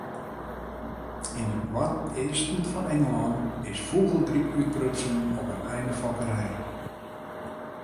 Yn it noardeasten fan Ingelân is fûgelgryp útbrutsen op in einefokkerij.